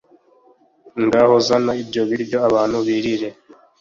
ngaho zana ibyo biryo abantu birire!